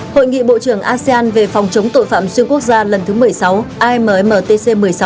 hội nghị bộ trưởng asean về phòng chống tội phạm xuyên quốc gia lần thứ một mươi sáu ammtc một mươi sáu